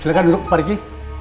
silahkan duduk pak riki